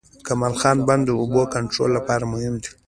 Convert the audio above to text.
کمال خان بند د اوبو کنټرول لپاره مهم دی